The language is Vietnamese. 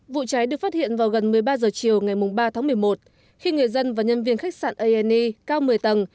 vụ cháy được phát hiện vào gần một mươi ba giờ chiều ngày mùng ba tháng một mươi một khi người dân và nhân viên khách sạn a e cao một mươi tầng